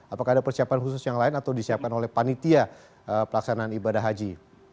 apakah ada persiapan khusus yang lain atau disiapkan oleh panitia pelaksanaan ibadah haji